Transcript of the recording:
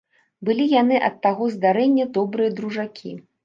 Былі яны ад таго здарэння добрыя дружакі.